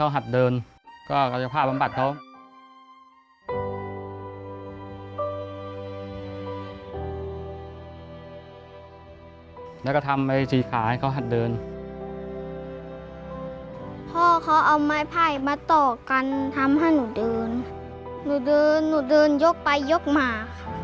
หนูเดินหนูเดินยกไปยกมา